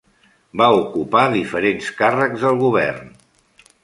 Va ocupar diferents càrrecs al govern.